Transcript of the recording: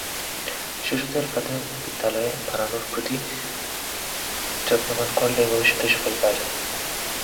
শিশুদের প্রাথমিক বিদ্যালয়ে বানানের প্রতি যত্নবান করলে ভবিষ্যতে সুফল পাওয়া যাবে।